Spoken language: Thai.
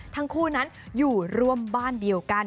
ทั้งคู่นั้นอยู่ร่วมบ้านเดียวกัน